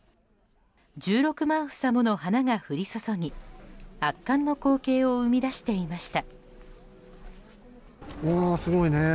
１６万房もの花が降り注ぎ圧巻の光景を生み出していました。